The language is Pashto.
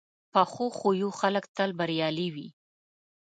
پخو خویو خلک تل بریالي وي